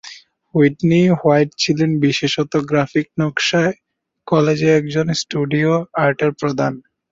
Whitney White ছিলেন বিশেষত graphic নকশায় কলেজে একজন স্টুডিও আর্টের প্রধান।